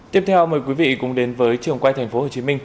tiếp theo mời quý vị cùng đến với trường quay tp hcm